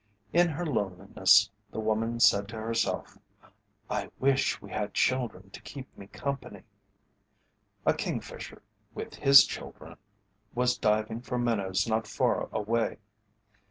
In her loneliness the woman said to herself, "I wish we had children to keep me company." A Kingfisher, with his children, was diving for minnows not far away.